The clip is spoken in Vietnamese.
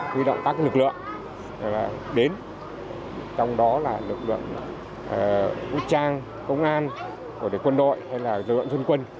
huy động các lực lượng đến trong đó là lực lượng quốc trang công an quân đội hay là dân quân